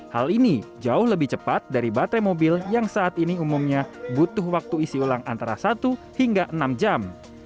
hal ini jauh lebih cepat dari baterai mobil yang saat ini umumnya butuh waktu isi ulang antara satu hingga enam jam